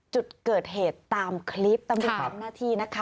จุดเกิดเหตุตามคลิปตำรวจทำหน้าที่นะคะ